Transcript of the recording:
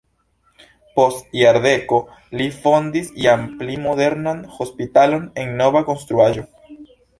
Post jardeko li fondis jam pli modernan hospitalon en nova konstruaĵo.